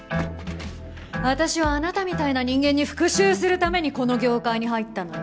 私はあなたみたいな人間に復讐するためにこの業界に入ったのよ。